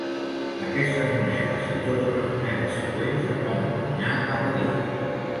Aquestes monedes, i totes les monedes següents, es van encunyar a París.